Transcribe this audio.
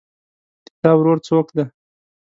د تا ورور څوک ده